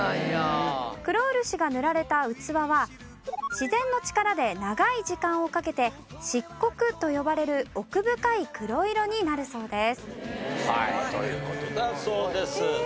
黒漆が塗られた器は自然の力で長い時間をかけて「漆黒」と呼ばれる奥深い黒色になるそうです。